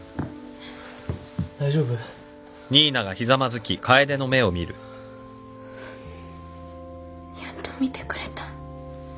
大丈夫？やっと見てくれた。